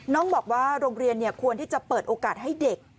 น้องบอกว่าโรงเรียนควรที่จะเปิดโอกาสให้เด็ก